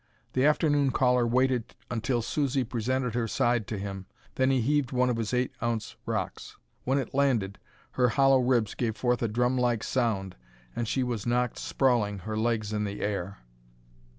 The afternoon caller waited until Susie presented her side to him, then he heaved one of his eight ounce rocks. When it landed, her hollow ribs gave forth a drumlike sound, and she was knocked sprawling, her legs in the air.